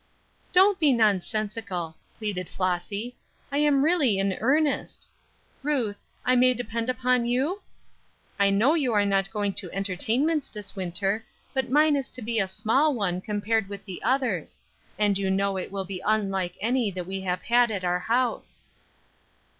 "Don't be nonsensical," pleaded Flossy; "I am really in earnest. Ruth, I may depend upon you? I know you are not going to entertainments this winter, but mine is to be a small one, compared with the others; and you know it will be unlike any that we have had at our house."